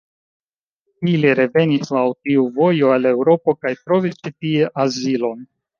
Ili revenis laŭ tiu vojo al Eŭropo kaj trovis ĉi tie azilon.